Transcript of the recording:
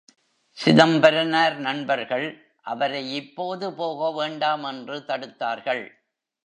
சிதம்பரனார் நண்பர்கள் அவரை இப்போது போக வேண்டாம் என்று தடுத்தார்கள்.